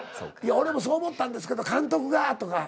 「俺もそう思ったんですけど監督が」とか。